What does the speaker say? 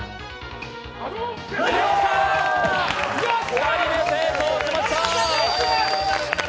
２人目成功しました。